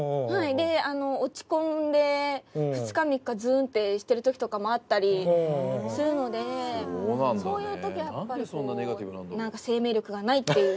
で落ち込んで２日３日ズーンってしてる時とかもあったりするのでそういう時はやっぱりこう「生命力がない」っていう風に。